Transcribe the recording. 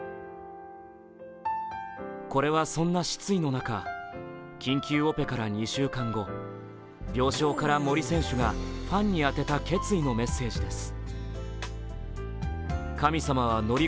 これはそんな失意の中、緊急オペから２週間後、病床から森選手がファンに当てた決意のメッセージです。